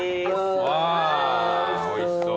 わあおいしそう。